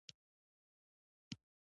مولوي واصف د توپ په خوله پورې وتاړه.